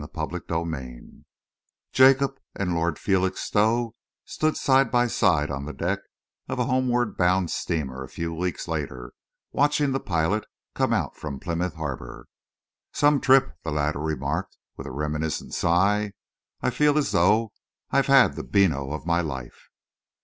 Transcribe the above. CHAPTER XXVIII Jacob and Lord Felixstowe stood side by side on the deck of a homeward bound steamer, a few weeks later, watching the pilot come out from Plymouth Harbour. "Some trip," the latter remarked, with a reminiscent sigh. "I feel as though I'd had the beano of my life."